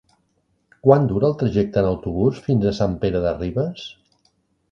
Quant dura el trajecte en autobús fins a Sant Pere de Ribes?